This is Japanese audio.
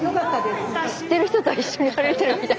スタジオ知ってる人と一緒に歩いてるみたい。